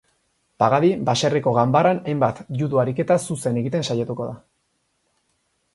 Pagadi, baserriko ganbaran hainbat judo ariketa zuzen egiten saiatuko da.